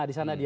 di sana dia